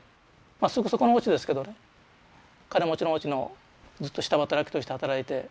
すぐそこのおうちですけどね金持ちのおうちのずっと下働きとして働いて。